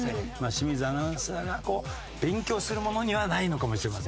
清水アナウンサーがこう勉強するものにはないのかもしれませんね。